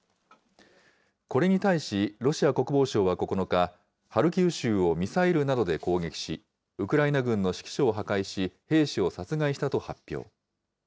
これに対し、ロシア国防省は９日、ハルキウ州をミサイルなどで攻撃し、ウクライナ軍の指揮所を破壊し、兵士を殺害したと発表。